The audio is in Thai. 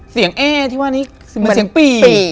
เอ๊ที่ว่านี้เหมือนเสียงปี่